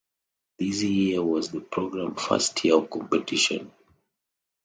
This year was the program first year of competition.